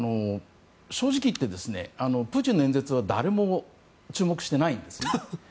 正直言ってプーチンの演説は誰も注目してないんですね。